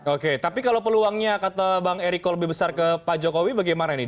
oke tapi kalau peluangnya kata bang eriko lebih besar ke pak jokowi bagaimana ini